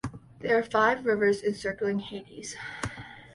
There are five rivers encircling Hades.